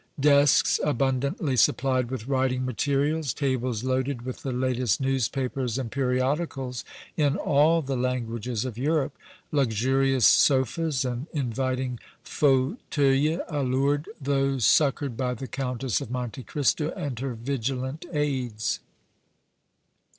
Desks abundantly supplied with writing materials, tables loaded with the latest newspapers and periodicals in all the languages of Europe, luxurious sofas and inviting fauteuils allured those succored by the Countess of Monte Cristo and her vigilant aids.